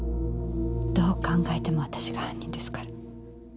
どう考えても私が犯人ですから。